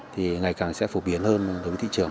thì ngày càng sẽ phổ biến hơn đối với thị trường